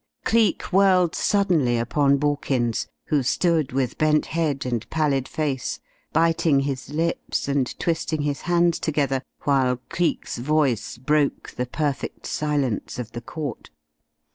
Cleek whirled suddenly upon Borkins, who stood with bent head and pallid face, biting his lips and twisting his hands together, while Cleek's voice broke the perfect silence of the court.